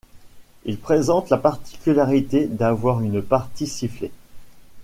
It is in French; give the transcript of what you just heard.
Il présente la particularité d'avoir une partie sifflée.